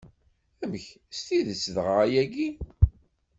Amek s tidett dɣa ayagi?